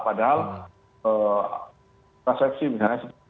padahal kontraseksi misalnya